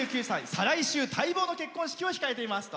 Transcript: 再来週待望の結婚式を控えています。